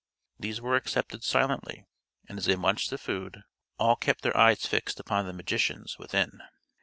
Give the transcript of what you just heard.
These were accepted silently, and as they munched the food all kept their eyes fixed upon the magicians within.